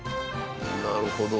なるほど。